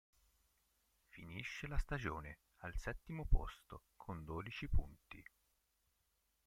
Finisce la stagione al settimo posto con dodici punti.